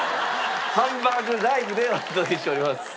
ハンバーグライブでお届けしております。